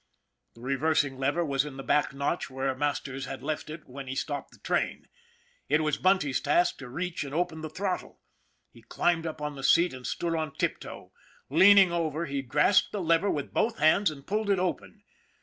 The reversing lever was in the back notch where Masters had left it when he stopped the train. It was Bunty's task to reach and open the throttle. He climbed up on the seat and stood on tiptoe. Leaning over, he grasped the lever with both hands and pulled it open.